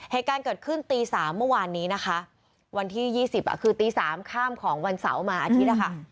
เหตุการณ์เกิดขึ้นตี๓เมื่อวานนี้นะคะวันที่๒๐คือตี๓ข้ามของวันเสาร์มาอาทิตย์นะคะ